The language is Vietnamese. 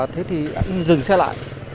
thế thì anh dừng xe lại